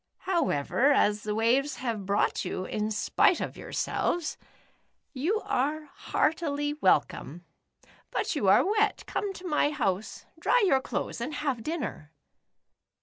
However, as the waves have brought you. in spite o( yourselves. 152 The Upsidedownians. you are heartily welcome. But you are wet, come to my house, dry your clothes and have dinner."